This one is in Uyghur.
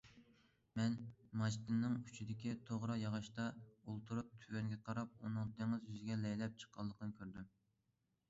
مەن ماچتىنىڭ ئۇچىدىكى توغرا ياغاچتا ئولتۇرۇپ تۆۋەنگە قاراپ ئۇنىڭ دېڭىز يۈزىگە لەيلەپ چىققانلىقىنى كۆردۈم.